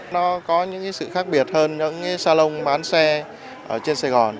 nó có những sự khác biệt hơn những xe xe trên sài gòn